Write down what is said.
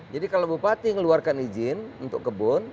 jadi kalau bupati ngeluarkan izin untuk kebun